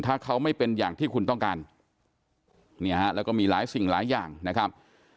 ถ้าเขาไม่เป็นอย่างที่คุณต้องการเนี่ยฮะแล้วก็มีหลายสิ่งหลายอย่างนะครับ